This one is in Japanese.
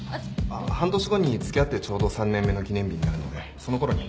半年後に付き合ってちょうど３年目の記念日になるのでそのころに。